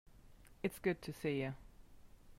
It's good to see you.